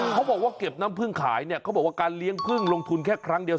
เขาบอกว่าเก็บน้ำพึ่งขายเนี่ยเขาบอกว่าการเลี้ยงพึ่งลงทุนแค่ครั้งเดียว